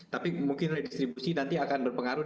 tapi mungkin redistribusi nanti akan berpengaruh